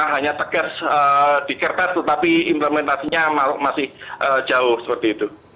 hanya tegas di kertas tetapi implementasinya masih jauh seperti itu